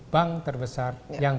sepuluh bank terbesar yang